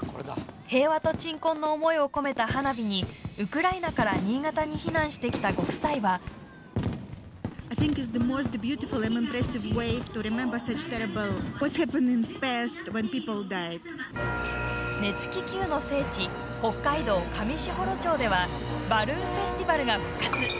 平和と鎮魂の思いを込めた花火にウクライナから新潟に避難してきたご夫妻は熱気球の聖地、北海道上士幌町ではバルーンフェスティバルが復活。